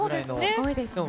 すごいですね。